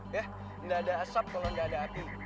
yah gak ada asap kalau gak ada api